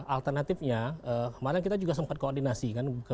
alternatifnya kemarin kita juga sempat koordinasi kan